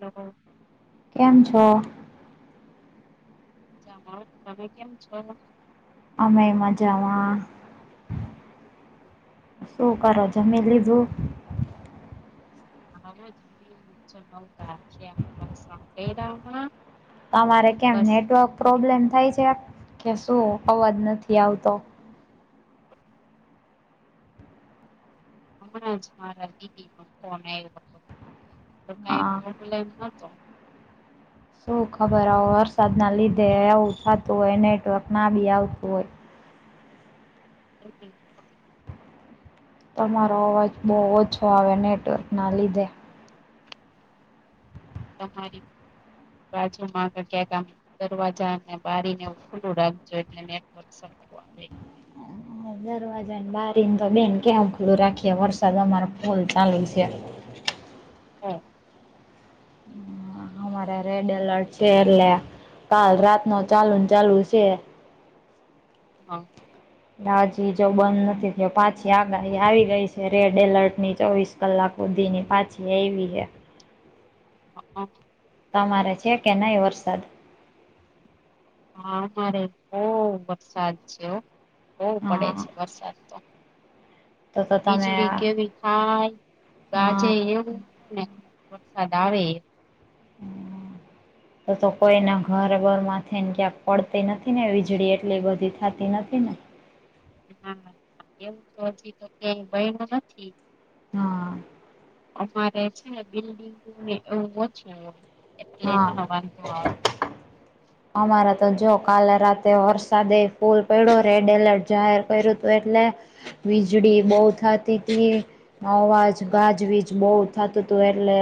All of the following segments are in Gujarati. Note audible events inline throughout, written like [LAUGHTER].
લોકો કેમ છો? મજામાં હો તમે કેમ છો? અમે મજામાં શું કરો છો જમી લીધું? [UNINTELLIGIBLE] તમારે કેમ બસ નેટવર્ક થોડીક પ્રોબ્લેમ થાય છે કે શું અવાજ નથી આવતો હમણાં જ મારા દીદી નો ફોન આવ્યો હતો તો કઈ હા પ્રોબ્લેમ નતો શું ખબર હો વરસાદના લીધે એવું થતું હોય નેટવર્ક ના બી આવતું હોય હમ્મ. તમારો અવાજ બહુ ઓછો આવે નેટવર્કના લીધે તમારી બાજુમાં ક્યાંક આમ દરવાજાને બારીને ખુલ્લું રાખજો એટલે નેટ [UNINTELLIGIBLE] આવે દરવાજાને બારી ને તો બેન કયાં ખુલું રાખીએ વરસાદ અમાર ફૂલ ચાલુ છે હા. અરે રેડ એલર્ટ છે એટલે કાલ રાત નો ચાલુ ચાલુ છે. હા. હાજી જો બંધ નથી થયો પાછી આગાહી આવી ગઈ છે રેડ એલર્ટ ની ચોવીસ કલાક સુધી ની પાછી એવી હે હા. તમારે છે કે, નહીં એ વરસાદ? હા, અમારે બહુ વરસાદ છે, બહવુ પડે હા છે, વરસાદ તો. તો તો તમે વીજળી કેવી થાય, ગાજે હા એવું ને વરસાદ આવે. [UNINTELLIGIBLE] તો તો કોઈના ઘર ઘર માંથીને ક્યાંક પડતી નથી ને? વીજળી એટલી બધી થતી નથી ને? હા, એવું તો, હજી તો કય બય ન નથી. હા. અમારે છે ને, બિલ્ડંગ એવું ઓછું હોય, એટલે હા ના વાંધો આવે. અમારા તો જો કાલે રાતે વરસાદે ફૂલ પડ્યો, રેડ એલર્ટ જાહેર કર્યું હતું, એટલે વીજળી બહુ થતી હતી, અવાજ ગાજવીજ બહુ થતું. એટલે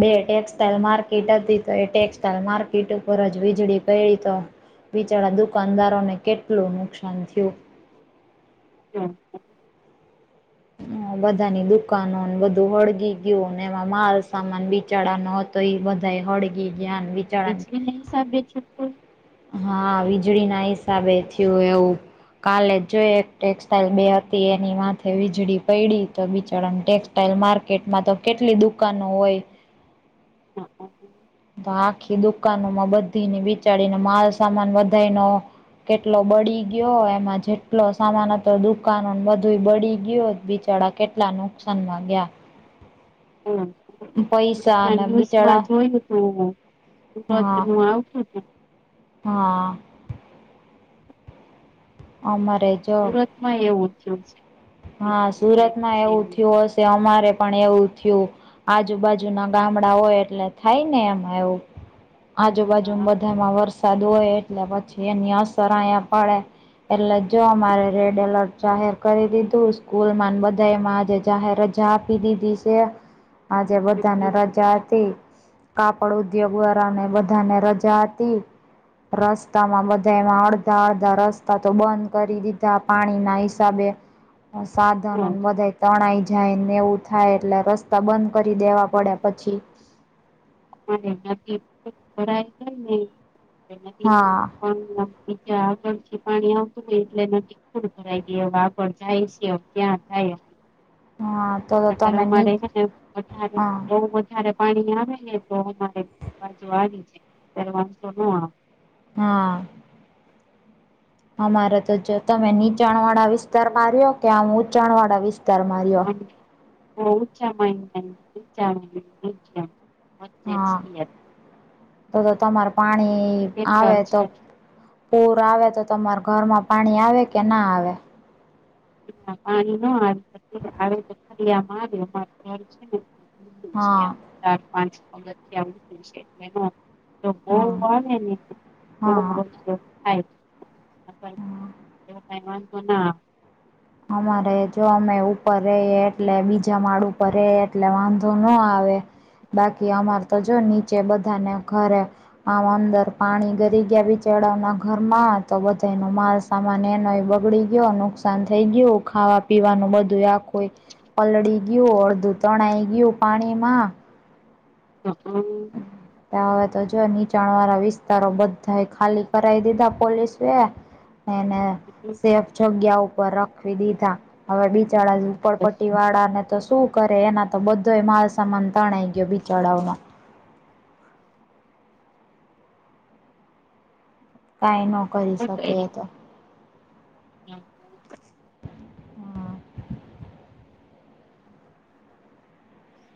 બે ટેક્સટાઇલ માર્કેટ હતી, તો એ ટેક્સટાલ માર્કેટ ઉપર જ વીજળી. ગેડી તો, બિચારા દુકાનદારોને કેટલું નુકસાન થયું. હા. હ, બધાની દુકાનોને બધું હળગી ગયું, એમાં માલ સામાન બિચાર ન તો એ બધા હળગી, જ્ઞાન, વિચારણ. સાબ બે છું. હા, વીજળી ના હિસાબે થયું એવું. કાલે જોઈ એક ટેક્સટાઈલ બે હતી, એની માથે વીજળી પડી તો, બિચારાને ટેક્સ [UNINTELLIGIBLE] ઇલ માર્કેટમાં તો કેટલી દુકાનો હોય. હ [UNINTELLIGIBLE] તો આખી દુકાનોમાં બધીને બિચાડીને. માલ સામાન વધાય નો. કેટલો બળી ગયો, એમાં જેટલો સામાન હતો, દુકાનો બધું બળી ગયો, બિચાર કેટલા નુકસાનમાં ગયા. હમ. પૈસા અને બિચારા ન્યુઝમાં જોયું, તો હા સુરતનું આવતું કે. હા. આ મારે. સુરતમાં એવું ઉત્સગ છે. હા, વીજળી પયડી સુરતમાં છે એવું અને થયું હશે, અમારે પણ એવું થયું. આજુબાજુના ગામડા હોય, એટલે થાય ને એમાં એવું. આજુબાજુ હા બધામાં વરસાદ હોય, એટલે પછી એની અસર આયા પડે. એટલે જો અમારે રેડ એલર્ટ જાહેર કરી દીધું. સ્કૂલમાં ને, બધા એમાં જ જાહેર રજા આપી દીધી છે. આજે બધાને રજા હતી. કાપડ ઉદ્યોગ વરાને બધાને રજા હતી, રસ્તા માં બધા એમાં અધા અડધા રસ્તા તો બંધ કરી દીધા, પાણીના હિસાબે. સાધનોને બધા તણાઈ જાય ને એવું થાય, એટલે રસ્ બંધ કરી દેવા પડે પછી. એનાથીાય ને એનાથી હા [UNINTELLIGIBLE] પણ ન આગળ થી પાણી આવતું ને, એટલે ન પડું [UNINTELLIGIBLE] કર દ એ આગળ જાય છે, ત્યાં જાય. હા. તો તો નર તમે ની અમારે ને વધારે હા બહુ વધારે પાણી આવે ને. તો મારે જ વાડી છે, અત્યારે વાશો ન આવે. હા. અમારે તો જો તમે નીચાણ વાળા વિસ્તારમાં રહ્યો કે? આમ ઊચાણ વાળા વિસ્તાર બહ જમા [UNINTELLIGIBLE] હા, તો તમારે પાણી ખેતર આવે છે તો. પૂર આવે તો, તમાર ઘરમાં પાણી આવે કે ના આવે? પાણી ન આવી શકે આવે તો ફરિયામાં આવે. [UNINTELLIGIBLE] હા ચાર પાંચ પગથીયા એટ. [UNINTELLIGIBLE] તો બહું હા માને ની તો હા વસ્ થાય. [UNINTELLIGIBLE] અમારે જો અમે ઉપર રએ એટલે બીજા માળ ઉપર રેએ એટલે વાંધો નો આવે. બાકી અમાર તો જો નીચે બધાને ઘરે આમ અંદર પાણી ગરી ગયા બીચડાવના ઘરમાં તો બધાનો માલ સામાન એનોય બગડી ગયો નુકસાન થઈ ગયું ખાવા પીવાનું બધું આખુંય પલળી ગયું અડધું તણાઈ ગયું પાણી માં. હમ્મ હ. હવે તો જો નીચાણવાળા વિસ્તારો બધા ખાલી કરાઇ દીધા પોલીસએ. [INAUDIBLE] એને સેફ જગ્યા ઉપર રખવી દીધા. હવે બિચાડા ઝૂપડપટ્ટી વાળાને તો શું કરે એના તો બધો માલસામાન તણાઈ ગયો બિચડાવઓનો. કાંઈ નો હું કઈરી.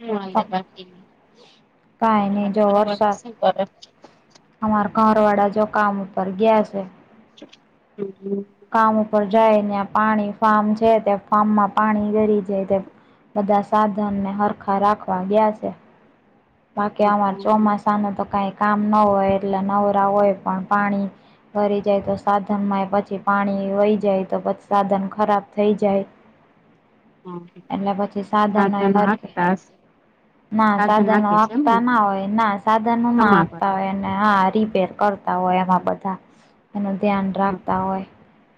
હુ હાલે બાકી કાઈ નહી તમારો જો ઘરવાળો વરસાદ શું કરે. અમાર ઘરવાળા જો કામ ઉપર ગીયા છે. હમ્મ. કામ ઉપર જાય ન્યાં પાણી ફાર્મ છે ત્યાં ફાર્મમાં પાણી રેડિ દે જાય. બધા સાધનને હરખા રાખવા ગયા છે. બાકી અમાર ચોમાસાનુ તો કઈ કામ ન હોય એટલે નવરા હોય પણ પાણી ભરી જાય તો સાધનમાં પછી પાણી વહી જાય તો પછી સાધન ખરાબ થઈ જાય. [INAUDIBLE] હમ્મ એટલે પછી સાધનોય સાધન હરખે હાંકતા હશે સાધન હાંક હાકતા ના હોય ના સાધનનો ના સમાવર હાંકતા એને. હા રીપેર કરતા હોય એમાં બધા એનું ધ્યાન રાખતા હોય.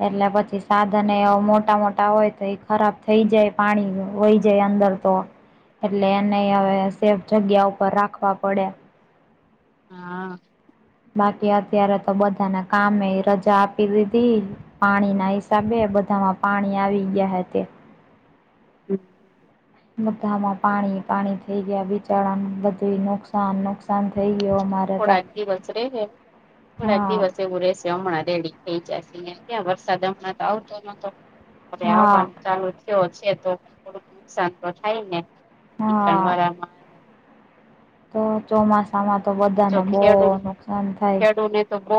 એટલે પછી સાધન એવા મોટા-મોટા હોય તો ખરાબ થઈ જાય પાણી વય જાય અંદર તો એટલે એને હવે સેફ જગ્યા ઉપર રાખવા પડે. હા. બાકી અત્યારે તો બધાને કામે એ રજા આપી દીધી. પાણીના હિસાબે બધામાં પાણી આવી ગયા હે તે. [INAUDIBLE] બધામાં પાણી-પાણી થઈ ગયા, વિચાડાનું બધું નુકસાન નુકસાન થઈ ગયું અમારે તો થોડાક દિવસ રેય ને થોડાક હા દિવસ એવું રેસે. હમણાં રેડી થઈ જશે ક્યાં વરસાદ હમણાં તો આવતો નતો હવે હા આવવાનું ચાલુ થયો છે તો થોડુંક નુકસાન તો થાય ને, હા નિચાણવાળામાં તો ચોમાસામાં તો જો બધાને બહુ ખેડૂ નુકસાન થાય. ખેડૂને તો બઉ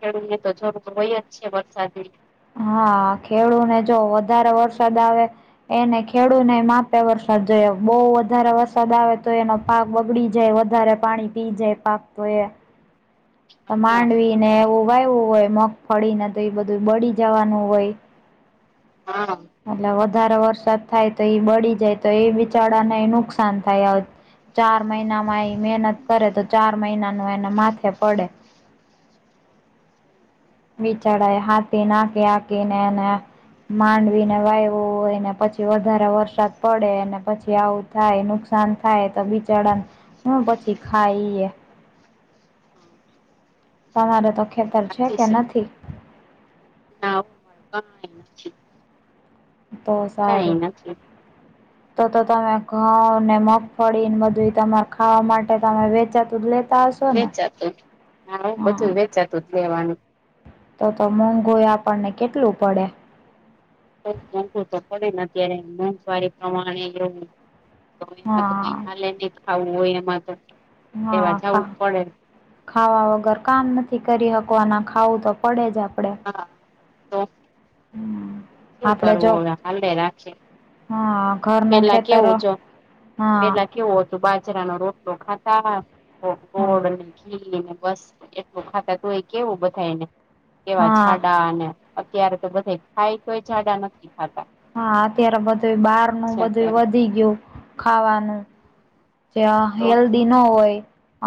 ખેડૂતને તો જરૂર હોય જ છે વરસાદની. હા ખેડૂને જો વધારે વરસાદ આવે એને ખેડૂને માપે વરસાદ જોયો બહુ વધારે વરસાદ આવે તો એનો પાક બગડી જાય વધારે પાણી પી જાય પાક તો એ તો હા માંડવીને એવું વાવું હોય મગફળીને તો એ બધું બળી જવાનું હોય. હા. એટલે વધારે વરસાદ થાય તો એ બળી જાય તો એ બિચાડાને નુકસાન થાય. ચાર મહિનામાં એ મહેનત કરે તો ચાર મહિનાનું એને માથે પડે. વિચડાયે હાતી હાકિને એને માંડવીને વાયવું હોયને પછી વધારે વરસાદ પડે ને પછી આવું થાય નુકસાન થાય તો બિચાડાને પછી ખાઈએ ઇએ. તમારે તો ખેતર છે કે નથી? [INAUDIBLE] તો કઈ સારુ. [INAUDIBLE] તો તો તમે ઘઉં ને, મગફળી ને બધુય તમાર ખાવા માટે તમે વેચાતું જ લેતા હશો. ને? વેચાતું, હા બધું વેચાતું જ લેવાનું. તો તો મોંઘુંય આપણને કેટલું પડે. મોઘું તો પડે ને અત્યારે મોંઘવારી પ્રમાણે એ તો એમાં તો હા કઈ હાલે ની ખાવું હોય એમાં તો. લેવા હા જવું ખા જ પડે ખાવા વગર કામ નથી કરી હકવાના, ખાવું તો પડે જ આપડે. હા હમ્મ હું કરવું હવે હાલે રાખીએ. હા ઘ પેલા કેવું ચ? પેલા કેવું ત બાજરા નો રોટલો ખાતા હા. હા ગોડ ને ઘી ઈ બસ એટલું ખાતા તુંય કેવું બધાયને કેવા હા જાડા અને અત્યારે તો બધાય ખાય તોઈ જાડા નથી થતા. હા અત્યારે બધું બહાર નું બધુય અત્યારે વધી ગીયું ખાવાનું. જ્યા તો હેલ્દી ન હોય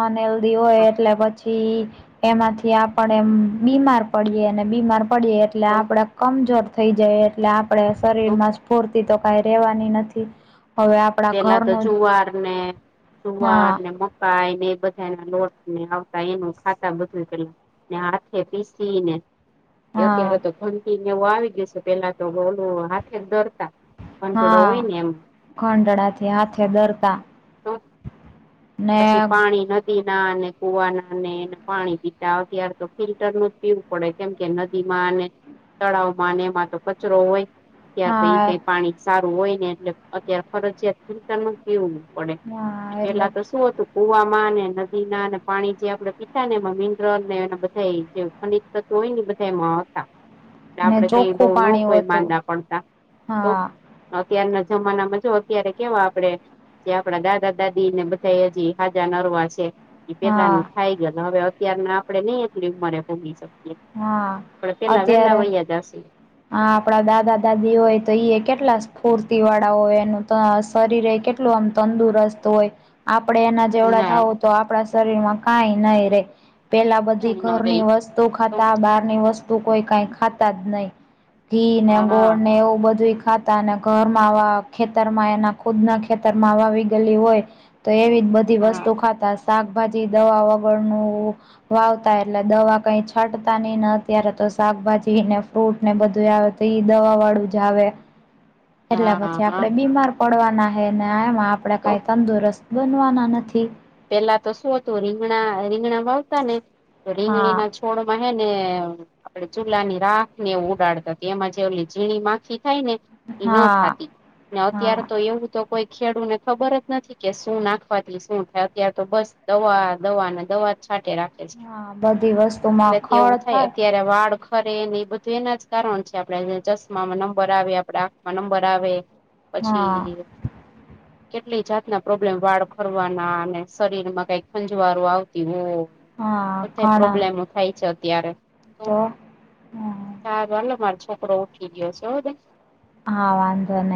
અનહેલ્ધી હોય એટલે પછી થી એમાંથી આપડ એમ બીમાર પડીએ ને બીમાર પડીએ એટલે તો આપડણેે કમજોર થઈ જઈ એટલે આપડણે શરીર તો માં સ્ફૂર્તિ તો કઈ રેવાની નથી હવે આપડા પેલા તો ઘરનું જુવાર ને... જુવાર હા ને મ કાયને એ બધાના લોટ ને આવતા એનું ખાતા બધું પેલ ને હાથે પીસી ને અત્યારે હા તો ઘંટીને એવું આવી ગીયું સે પેલા તો બલું હાથે જ ડરતા. કંટોળો હા, હોય ને એમ ખંડળાથી હાથે દરતા. ને પસી પાણી ન તીના અને કુવાના ને એ પાણી પીતા અત્યારે તો ફિલ્ટર નું જ પીવ પડે કેમ કે નદીમાં અને તળાવમાં ને એમાં તો કચરો હોય. ત્યા તો ઈ હા કઈ પાણી સારુ હોય ને એટલે અત્યારે ફરજ્યાત ફિલ્ટરનુ જ પીવું. પડે. એ હા એટલે પેલા તો શું તું? પુવામાં ને નદી ના ને પાણી જે આપડે પીતા ને એમાં મિનરલ ને એ બધા ખનિ તત્વો ઓય ને ઈ બધા એમાં હતા. ને આપડે કઈ બઉ ચોખ્ખું ન પાણી કોઈ હોતું માંદા પડતા, તો હા અત્યારના જમાનામાં જો અત્યારે કેવા આપડે, જે આપડા દાદા-દાદી ને બધાઈ હજી હાજા નરવા છે. ઈ હા પેલાનું થાય ગયલ હવે અત્યારના આપડે નઈ એટલી ઉંમરે પોચી શ હા આપડે પેલા વેલા વૈયા જાસી. આ આપડા દાદા-દાદી હોય તો ઈ કેટલા સ્ફૂર્તિ વાળા હોય એનું ત શરીરે એ કેટ લું આમ તંદુરસ્ત હોય. આપડે એના જેવડા ના થાવું તો આપડા શરીર માં કાંઈ નાઈ રે. પેલા કેમ બધી ન ઘરની રેય વસ્તુ ખાતા બારની વસ્તુ કોઈ કંઈ ખાતા જ નઈ. ઘી ને હા ગોળ ને એવુ બધુય ખાત તા ને ઘરમાં આવા ખેતર માં એના ખુદ ના ખેતર માં વાવી ગયેલી હોય. તો એવી જ બધી હા વસ્તુ ખાતા સાકભાજી દવા વગરનું વાવતા એટલે દવા કઈ છાંટતા ની ને અત્યારે તો શાકભાજીને ફ્રૂટ ને બધુય આવે તો ઈ દવા વાળું જ આવે, એટલે હા પછી હા આપડે બીમાર પડવાના હે ને એમાં આપણેે તો કઈ તંદુરસ્ત બનવાના નથી. પેલા તો શું હતું રીંગણા રીંગણા વાવતા ને તો હા રીંગણીના થોડોમાં હે ને આપડે ચૂલા ની રાખ ને ઉડાડતા એમાં જેલી ઝીણી માખી. થાય ને એ ન હા થતી ને અત્યારે હા તો એવું તો કોઈ ખેડૂ ને ખબર જ નથી કે શું નાખવાથી શું થ. ત્યાં તો બસ દવા દવાને દવા જ છાટે રાખે. હા બધી વસ્તુમાં એટલેથી ખળ એવું થાય અત્યારે વાળ ખરે એ બધું એના જ કારણ છે આપણેે ચશ્મામાં નંબર આવે આપણે આંખમાં નંબર આવે. હા પછી કેટલી જાત ના પ્રોબ્લેમ વાળ ખોરટ્વાના અને શરીર માં કઈ ખંજવારો આવતી હો હા બધા ઘણા પ્રોબ્લેમો થાય છે અત્યારે. તો હા ચારલે મારો છોકરો ઉઠી ગયો છે. હા વાંધો ન